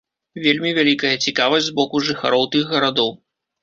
Вельмі вялікая цікавасць з боку жыхароў тых гарадоў.